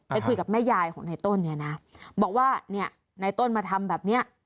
ไปคุยกับแม่ยายของนายต้นบอกว่านายต้นมาทำแบบนี้